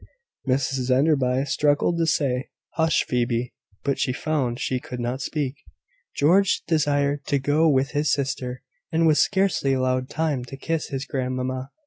Mrs Enderby struggled to say, "Hush, Phoebe;" but she found she could not speak. George was desired to go with his sister, and was scarcely allowed time to kiss his grandmamma.